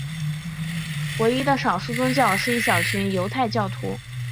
唯一的少数宗教是一小群犹太教徒。